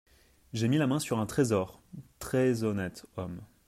J’ai mis la main sur un trésor… très honnête homme…